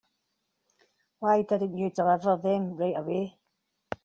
Why didn't you deliver them right away?